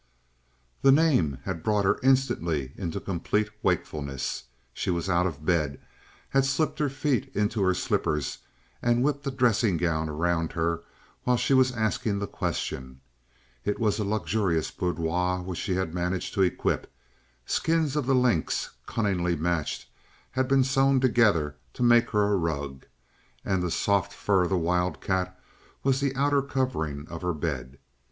The name had brought her instantly into complete wakefulness; she was out of the bed, had slipped her feet into her slippers and whipped a dressing gown around her while she was asking the question. It was a luxurious little boudoir which she had managed to equip. Skins of the lynx, cunningly matched, had been sewn together to make her a rug, and the soft fur of the wildcat was the outer covering of her bed.